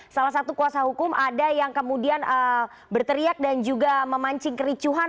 salah satu kuasa hukum ada yang kemudian berteriak dan juga memancing kericuhan